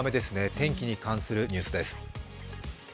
天気に関するニュースです。